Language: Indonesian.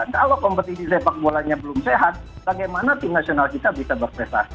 kalau kompetisi sepak bolanya belum sehat bagaimana tim nasional kita bisa berprestasi